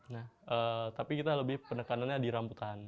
nah tapi kita lebih penekanannya di rambutan